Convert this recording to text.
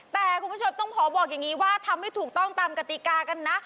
แดกที่พอบอกอย่างนี้ว่าทำไม่ถูกต้องตามกะติกากันนะ